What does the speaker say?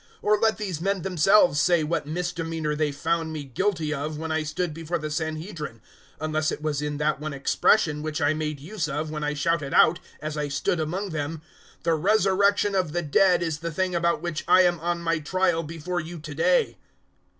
024:020 Or let these men themselves say what misdemeanour they found me guilty of when I stood before the Sanhedrin, 024:021 unless it was in that one expression which I made use of when I shouted out as I stood among them, "`The resurrection of the dead is the thing about which I am on my trial before you to day.'"